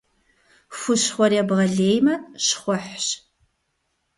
Хущхъуэр ебгъэлеймэ — щхъухьщ.